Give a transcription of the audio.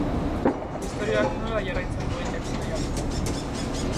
Istorioak nola jarraitzen duen jakin nahi al duzu?